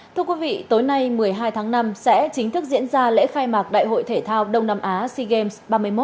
thưa quý vị tối nay một mươi hai tháng năm sẽ chính thức diễn ra lễ khai mạc đại hội thể thao đông nam á sea games ba mươi một